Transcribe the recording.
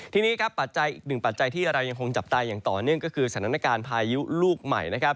ทีนี้ครับปัจจัยอีกหนึ่งปัจจัยที่เรายังคงจับตาอย่างต่อเนื่องก็คือสถานการณ์พายุลูกใหม่นะครับ